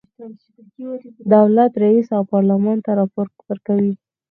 دولت رئیس او پارلمان ته راپور ورکوي.